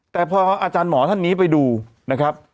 แต่พออาจารย์หมอท่านนี้ไปดูนะครับ